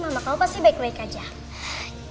gyady aku yakin mama kau pasti mentioning her for the game